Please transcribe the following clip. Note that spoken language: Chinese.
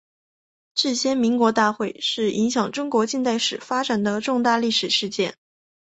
制宪国民大会是影响中国近现代史发展的重大历史事件。